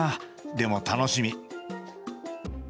でも楽しみ。